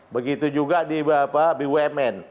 begitu juga di bumn